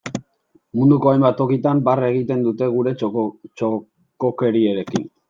Munduko hainbat tokitan, barre egiten dute gure txokokeriekin.